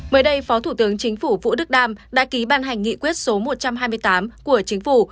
mới đây phó thủ tướng chính phủ vũ đức đam đã ký ban hành nghị quyết số một trăm hai mươi tám của chính phủ